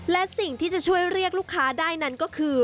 และสิ่งที่จะช่วยเรียกลูกค้าได้นั้นก็คือ